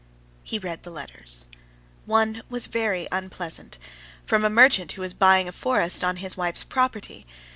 He read the letters. One was very unpleasant, from a merchant who was buying a forest on his wife's property.